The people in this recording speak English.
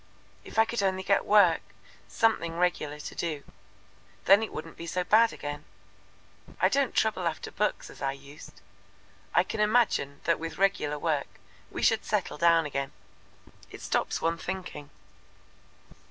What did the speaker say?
If I could only get work something regular to do. Then it wouldn't be so bad again. I don't trouble after books as I used. I can imagine that with regular work we should settle down again. It stops one thinking.